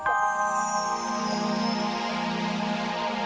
tunggu aku akan beritahu